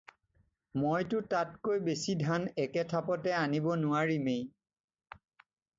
মইতো তাতকৈ বেছি ধান একে থাপতে আনিব নোৱাৰিমেই।